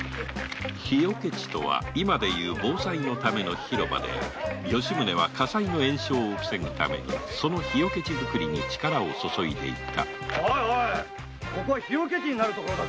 火除け地とは今でいう防災のための広場である吉宗は火災の延焼を防ぐために火除け地作りに力を注いでいたここは火除け地になる所だ。